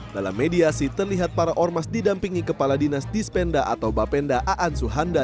dalam mediasi terlihat para ormas didampingi kepala dinas dispenda atau bapenda aan suhanda